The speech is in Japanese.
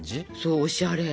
おしゃれ。